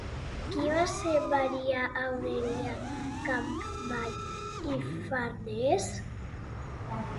Qui va ser Maria Aurèlia Capmany i Farnés?